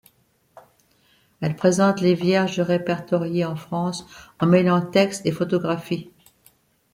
Elle présente les Vierges répertoriées en France en mêlant textes et photographies.